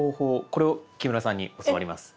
これを木村さんに教わります。